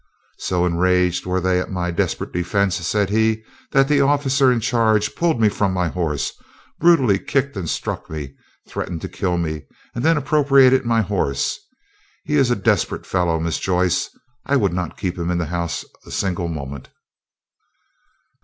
"So enraged were they at my desperate defence," said he, "that the officer in charge pulled me from my horse, brutally kicked and struck me, threatened to kill me, and then appropriated my horse. He is a desperate fellow, Miss Joyce; I would not keep him in the house a single moment."